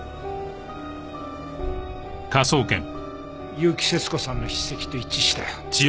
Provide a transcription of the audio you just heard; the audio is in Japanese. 結城節子さんの筆跡と一致したよ。